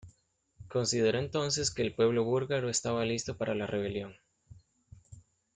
Consideró entonces que el pueblo búlgaro estaba listo para la rebelión.